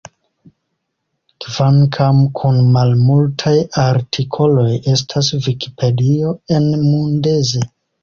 Kvankam kun malmultaj artikoloj estas Vikipedio en Mundeze.